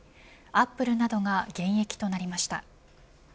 アップルなどが減益となりました。